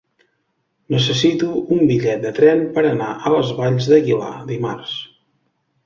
Necessito un bitllet de tren per anar a les Valls d'Aguilar dimarts.